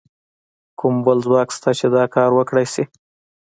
کوم بل ځواک شته چې دا کار وکړای شي؟